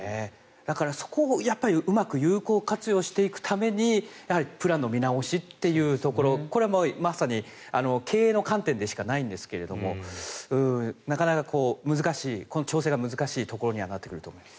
だから、そこをうまく有効活用していくためにプランの見直しというところこれはまさに経営の観点でしかないんですがなかなか調整が難しいところにはなってくると思います。